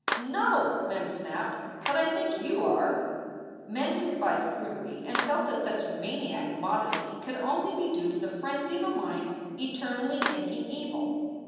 "No!" Mem snapped. "But I think you are." Mem despised prudery and felt that such maniac modesty could only be due to the frenzy of a mind eternally thinking evil.